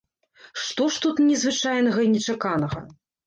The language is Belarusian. Што ж тут незвычайнага і нечаканага?